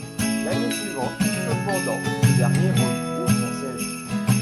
L'année suivante, cependant, ce dernier retrouve son siège.